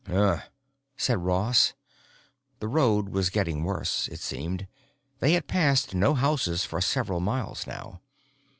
"Umph," said Ross. The road was getting worse, it seemed; they had passed no houses for several miles now.